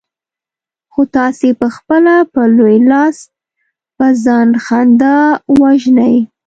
خو تاسې پخپله په لوی لاس په ځان خندا وژنئ.